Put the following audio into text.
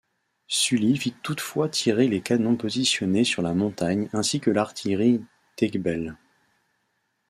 Sully fit toutefois tirer les canons positionnés sur la montagne ainsi que l'artillerie d'Aiguebelle.